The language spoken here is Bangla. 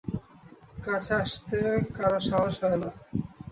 কাছে আসতে কারো সাহস হয় না।